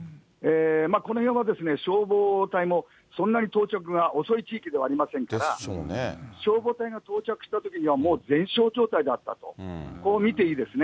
この辺は消防隊もそんなに到着が遅い地域ではありませんから、消防隊が到着したときには、もう全焼状態だったと、こう見ていいですね。